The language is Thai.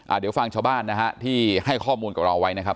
เดี๋ยวฟังชาวบ้านนะฮะที่ให้ข้อมูลกับเราไว้นะครับ